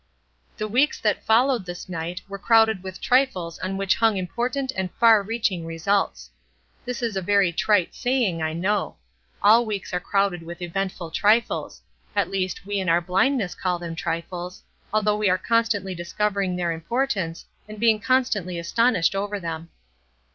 The weeks that followed this night, were crowded with trifles on which hung important and far reaching results. This is a very trite saying, I know. All weeks are crowded with eventful trifles; at least, we in our blindness call them trifles, although we are constantly discovering their importance, and being constantly astonished over them.